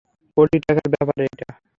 কোটি টাকার ব্যাপার এইটা।